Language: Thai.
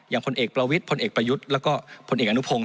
อย่างคนเอกประวิทคนเอกประยุทธ์และคนเอกอนุพงศ์